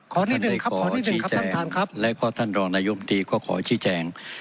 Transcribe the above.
ขอนี่หนึ่งครับขอนี่หนึ่งครับท่านท่านครับแล้วก็ท่านรองนายกรรมตรีก็ขอชี้แจง